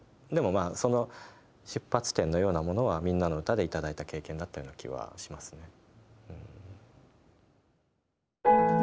でもその出発点のようなものは「みんなのうた」で頂いた経験だったような気はしますね。